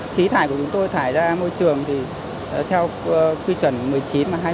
khí thải của chúng tôi thải ra môi trường thì theo quy chuẩn một mươi chín và hai mươi khí thải